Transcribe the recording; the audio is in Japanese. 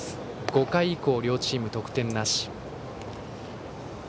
５回以降、両チーム得点なし。